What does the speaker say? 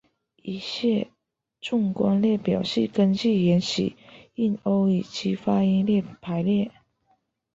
以下纵观列表是根据原始印欧语之发音排列。